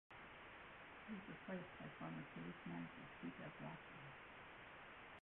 He was replaced by former Jays manager Cito Gaston.